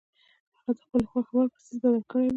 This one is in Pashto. هغه یې د خپلې خوښې وړ په څیز بدل کړی وي.